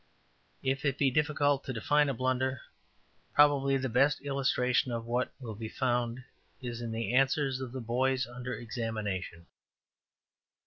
If it be difficult to define a blunder, probably the best illustration of what it is will be found in the answers of the boys under examination.